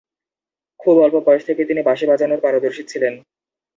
খুব অল্প বয়স থেকেই তিনি বাঁশি বাজানোর পারদর্শী ছিলেন।